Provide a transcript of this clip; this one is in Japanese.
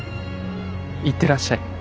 行ってらっしゃい。